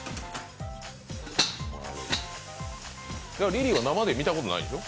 リリーは生で見たことないんでしょ？